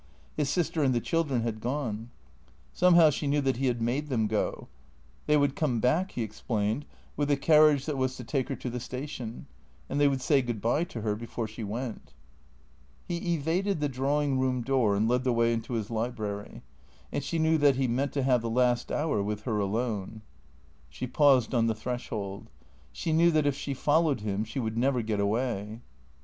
His sister and the children had gone. Somehow she knew that he had made them go. They would come back, he explained, with the carriage that was to take her to the station, and they would say good bye to her before she went. He evaded the drawing room door and led the way into his library; and she knew that he meant to have the last hour with her alone. She paused on the threshold. She knew that if she followed him she would never get away.